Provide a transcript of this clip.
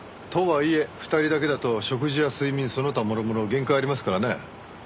とはいえ２人だけだと食事や睡眠その他もろもろ限界ありますからね。